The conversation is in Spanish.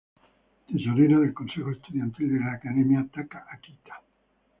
Tesorera del consejo estudiantil de la Academia Taka-Akita.